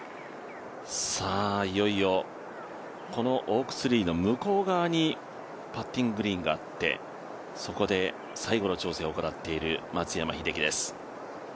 いよいよこのオークツリーの向こう側にパッティンググリーンがあって、そこで最後の調整を行っている松山英樹です。